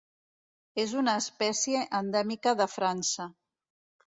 És una espècie endèmica de França.